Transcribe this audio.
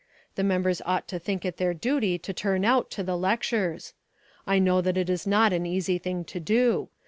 The members ought to think it their duty to turn out to the lectures. I know that it is not an easy thing to do.